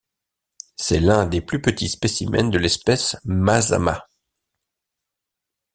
C'est l'un des plus petits spécimens de l'espèce Mazama.